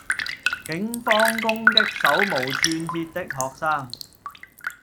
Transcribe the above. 警方攻擊手無寸鐵的學生